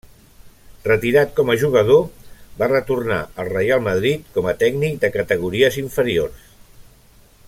Retirat com a jugador, va retornar al Reial Madrid com a tècnic de categories inferiors.